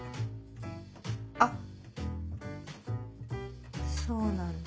あっそうなんだ。